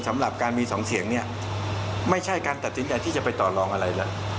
สำหรับการมีสองเสียงเนี่ยไม่ใช่การตัดสินใจที่จะไปต่อลองอะไรแล้ว